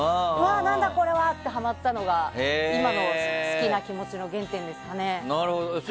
何だこれは！ってハマったのが今の好きな気持ちの原点ですかね。